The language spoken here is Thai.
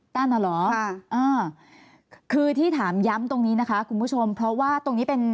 นั่นน่ะเหรอค่ะอ่าคือที่ถามย้ำตรงนี้นะคะคุณผู้ชมเพราะว่าตรงนี้เป็น